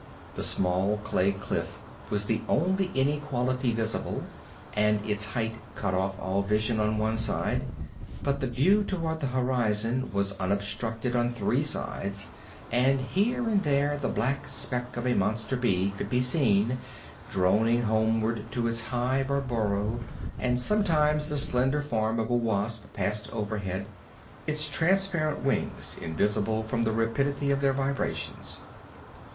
The small clay cliff was the only inequality visible, and its height cut off all vision on one side. But the view toward the horizon was unobstructed on three sides, and here and there the black speck of a monster bee could be seen, droning homeward to its hive or burrow, and sometimes the slender form of a wasp passed overhead, its transparent wings invisible from the rapidity of their vibrations.